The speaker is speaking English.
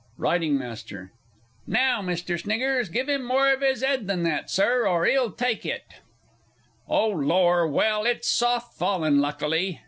_ R. M. Now, Mr. Sniggers, give 'im more of 'is 'ed than that, Sir or he'll take it.... Oh, Lor, well, it's soft falling luckily!